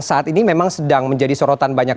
saat ini memang sedang menjadi sorotan banyak